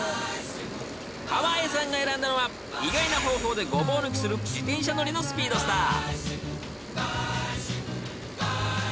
［川栄さんが選んだのは意外な方法でごぼう抜きする自転車乗りのスピードスター］